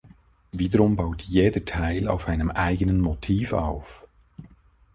Wiederum baut jeder Teil auf einem eigenen Motiv auf.